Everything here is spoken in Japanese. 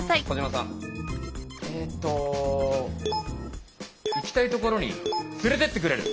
えっと行きたいところに連れてってくれる！